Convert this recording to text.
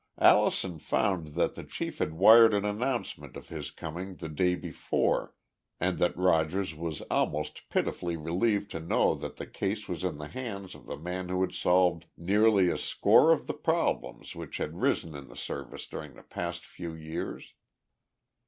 Allison found that the chief had wired an announcement of his coming the day before and that Rogers was almost pitifully relieved to know that the case was in the hands of the man who had solved nearly a score of the problems which had arisen in the Service during the past few years.